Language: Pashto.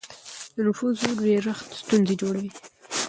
د نفوس ډېرښت ستونزې جوړوي.